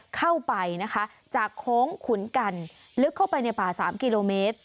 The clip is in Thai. เข้าไปนะคะจากโค้งขุนกันลึกเข้าไปในป่า๓กิโลเมตร